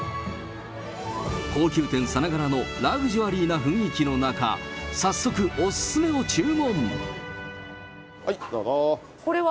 高級店さながらのラグジュアリーな雰囲気の中、早速、はい、どうぞ。